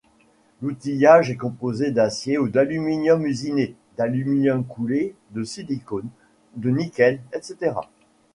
L'outillage est composé d'acier ou d'aluminium usinés, d'aluminium coulé, de silicone, de nickel, etc.